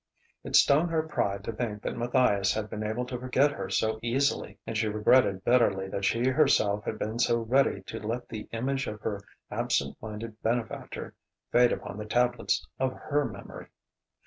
It stung her pride to think that Matthias had been able to forget her so easily. And she regretted bitterly that she herself had been so ready to let the image of her absent minded benefactor fade upon the tablets of her memory.